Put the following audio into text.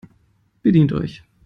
Bedient euch!